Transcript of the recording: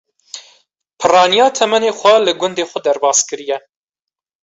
Pirraniya temenê xwe li gundê xwe derbaskiriye.